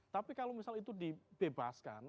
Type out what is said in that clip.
tapi kalau misal itu dibebaskan